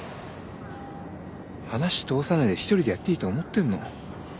話通さないで一人でやっていいと思ってんの？